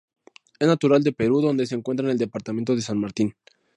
Es natural de Perú donde se encuentra en el Departamento de San Martín.